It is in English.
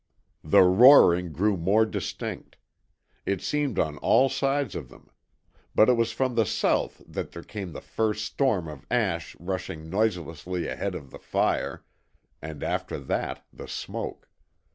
The roaring grew more distinct. It seemed on all sides of them. But it was from the south that there came the first storm of ash rushing noiselessly ahead of the fire, and after that the smoke.